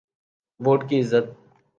Vote کی عزت۔